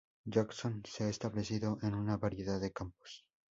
Jackson se ha establecido en una variedad de campos.